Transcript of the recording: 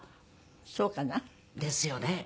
そうかな？ですよね。